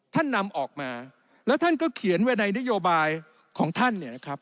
ท่านนำออกมาแล้วท่านก็เขียนไว้ในนโยบายของท่าน